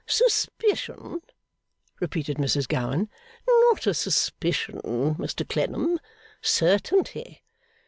'Suspicion?' repeated Mrs Gowan. 'Not suspicion, Mr Clennam, Certainty.